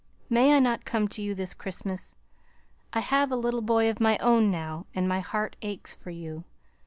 May I not come to you this Christmas? I have a little boy of my own now, and my heart aches for you.